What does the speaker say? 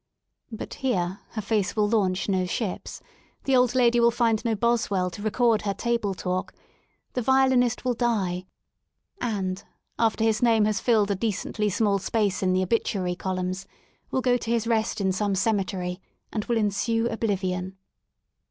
But here, her face will launch no ships; the old lady will find no Boswell to record her table talk; the violinist will die and, after his name has filled a decently small space in the obituary columns, will go to his rest in some cemetery — and will ensue oblivion.